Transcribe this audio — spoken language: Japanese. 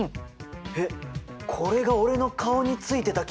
えっこれが俺の顔についてた菌！？